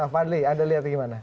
fadli anda lihat bagaimana